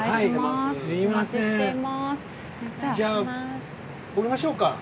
じゃあ、降りましょうか。